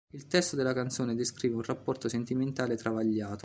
Il testo della canzone descrive un rapporto sentimentale travagliato.